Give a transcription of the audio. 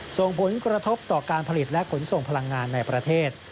ส่งผลกระทบต่อการผลิตและขนส่งพลังงานในประเทศ